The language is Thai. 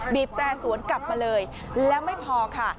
แตรสวนกลับมาเลยแล้วไม่พอค่ะ